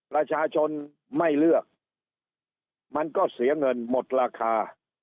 ประชาชนไม่เลือกมันก็เสียเงินหมดราคา